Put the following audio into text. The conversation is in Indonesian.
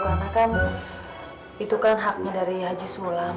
karena kan itu kan haknya dari haji sulam